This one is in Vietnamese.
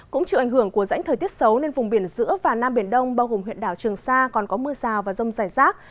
cũng chịu ảnh hưởng của rãnh thời tiết xấu nên vùng biển giữa và nam biển đông bao gồm huyện đảo trường sa còn có mưa rào và rông rải rác